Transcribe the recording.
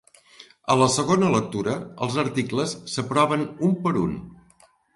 A la segona lectura, els articles s'aproven un per un.